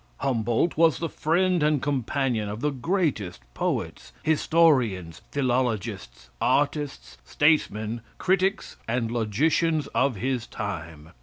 Humboldt was the friend and companion of the greatest poets, historians, philologists, artists, statesmen, critics and logicians of his time.